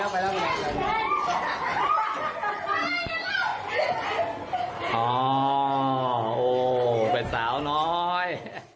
แม่สาวน้อย